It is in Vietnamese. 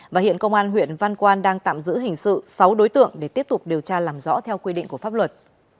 và hiện công an huyện văn quan đang tạm giữ hình sự sáu đối tượng để tiếp tục điều tra làm rõ theo quy định của pháp luật